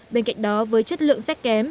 bên cạnh đó với chất lượng sách kém